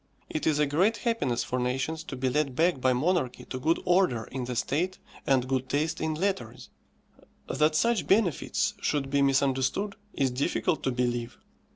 It is a great happiness for nations to be led back by monarchy to good order in the state and good taste in letters. That such benefits should be misunderstood is difficult to believe.